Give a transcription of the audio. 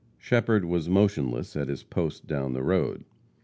Shepherd was motionless at his post down the road.